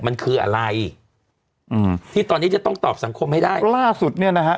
มันคืออะไรอืมที่ตอนนี้จะต้องตอบสังคมให้ได้ล่าสุดเนี้ยนะฮะ